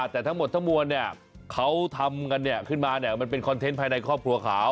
แต่ทั้งหมดทั้งมวลเขาทำกันขึ้นมามันเป็นคอนเทนต์ภายในครอบครัวเขา